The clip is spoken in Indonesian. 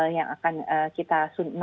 yang akan kita